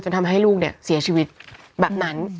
ทำให้ลูกเนี่ยเสียชีวิตแบบนั้น